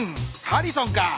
ハリソンか。